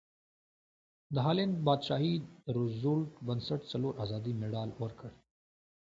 د هالنډ پادشاهي د روزولټ بنسټ څلور ازادۍ مډال ورکړ.